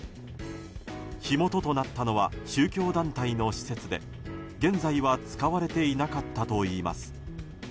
火元となったのは宗教団体の施設で現在は使われていなかったといいます。